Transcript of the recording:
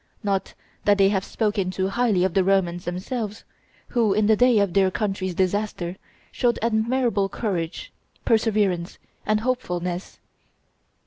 Not that they have spoken too highly of the Romans themselves, who, in the day of their country's disaster, showed admirable courage, perseverance, and hopefulness.